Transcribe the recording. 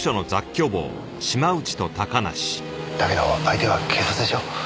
だけど相手は警察でしょ？